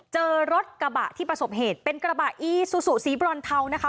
เจอรถกระบะที่ประสบเหตุเป็นกระบะอีซูซูสีบรอนเทานะคะ